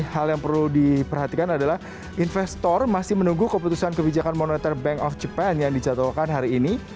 hal yang perlu diperhatikan adalah investor masih menunggu keputusan kebijakan moneter bank of japan yang dijadwalkan hari ini